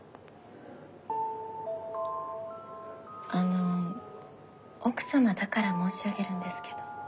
あの奥様だから申し上げるんですけど。